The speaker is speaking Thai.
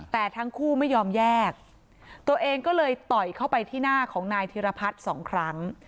แต่ทั้งคู่ไม่ยอมแยกตัวเองก็เลยต่อยเข้าไปที่หน้าของนายธิรพัฒน์สองครั้ง